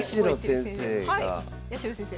八代先生が。